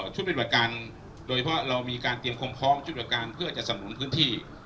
ชุดปฏิบัติการโดยเพราะเรามีการเตรียมความพร้อมชุดประการเพื่อจะสนุนพื้นที่